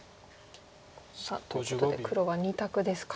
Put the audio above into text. さあということで黒は２択ですか。